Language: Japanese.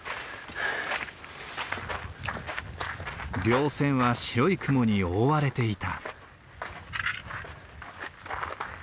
稜線は白い雲に覆われていた。